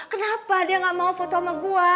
kenapa dia gak mau foto sama gue